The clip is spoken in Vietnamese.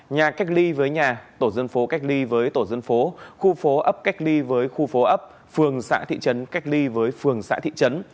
nhà cách ly với nhà tổ dân phố cách ly với tổ dân phố khu phố ấp cách ly với khu phố ấp phường xã thị trấn cách ly với phường xã thị trấn